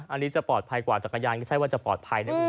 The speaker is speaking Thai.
อันนี้จะปลอดภัยกว่าจักรยานก็ใช่ว่าจะปลอดภัยนะคุณผู้ชม